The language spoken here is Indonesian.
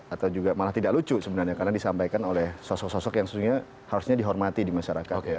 atau juga malah tidak lucu sebenarnya karena disampaikan oleh sosok sosok yang sesungguhnya harusnya dihormati di masyarakat